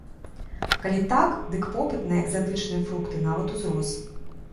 Калі так, дык попыт на экзатычныя фрукты нават узрос!